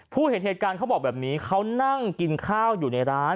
เห็นเหตุการณ์เขาบอกแบบนี้เขานั่งกินข้าวอยู่ในร้าน